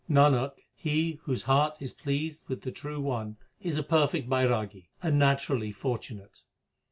Nanak, he whose heart is pleased with the True One is a perfect Bairagi, and naturally fortunate.